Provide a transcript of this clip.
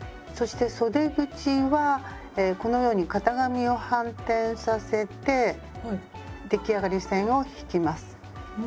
そしてそで口はこのように型紙を反転させて出来上がり線を引きます。